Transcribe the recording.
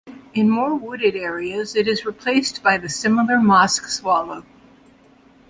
In more wooded areas it is replaced by the similar mosque swallow.